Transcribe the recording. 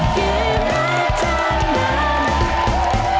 เกมรับจำนำ